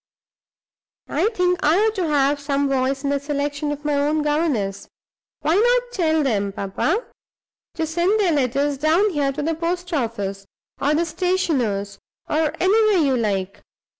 I think I ought to have some voice in the selection of my own governess. Why not tell them, papa, to send their letters down here to the post office or the stationer's, or anywhere you like?